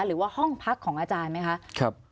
หรือว่าห้องพักของอาจารย์ไหมคะ